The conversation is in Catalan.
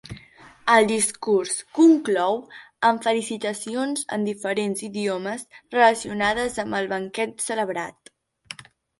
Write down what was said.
El discurs conclou amb felicitacions en diferents idiomes relacionades amb el banquet celebrat.